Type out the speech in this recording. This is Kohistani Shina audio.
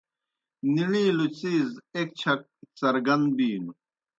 نِݨِیلوْ څِیز ایْک چھک څرگن بِینوْ۔